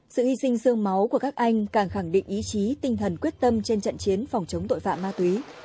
sự hy sinh sương máu của các anh càng khẳng định ý chí tinh thần quyết tâm trên trận chiến phòng chống tội phạm ma túy